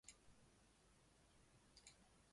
昔日的第五庭院位于最外面的海边。